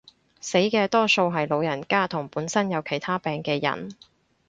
死嘅多數係老人家同本身有其他病嘅人